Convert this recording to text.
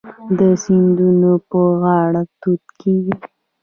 د سیندونو په غاړه توت کیږي.